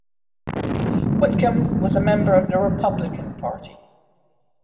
Whitcomb was a member of the Republican Party.